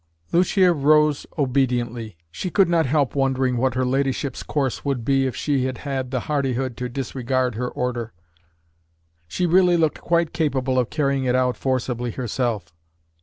Lucia rose obediently. She could not help wondering what her ladyship's course would be if she had the hardihood to disregard her order. She really looked quite capable of carrying it out forcibly herself.